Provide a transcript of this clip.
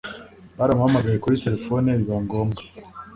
baramuhamagaye kuri phone biba ngombwa